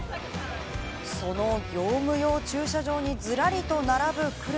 その業務用駐車場にずらりと並ぶ車。